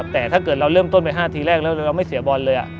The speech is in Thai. แต่ถ้าเราเริ่มต้นไป๕นาทีแรกแล้วแล้วไม่เสียบอลเลย